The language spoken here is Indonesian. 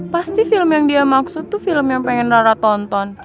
pasti film yang dia maksud tuh film yang pengen rara tonton